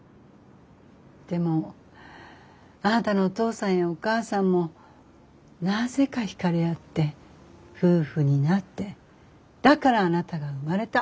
でもあなたのお父さんやお母さんもなぜか惹かれ合って夫婦になってだからあなたが生まれた。